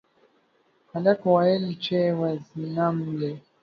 هلک وويل چې وژنم يې